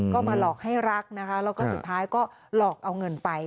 ก็มาหลอกให้รักนะคะแล้วก็สุดท้ายก็หลอกเอาเงินไป